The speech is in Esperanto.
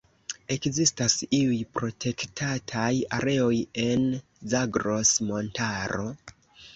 Ekzistas iuj protektataj areoj en Zagros-Montaro.